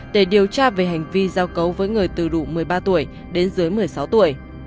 để điều tra về hành vi giao cấu với người từ đủ một mươi ba tuổi đến dưới một mươi sáu tuổi